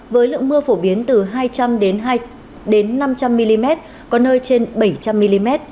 với lượng mưa phổ biến từ hai trăm linh năm trăm linh mm có nơi trên bảy trăm linh mm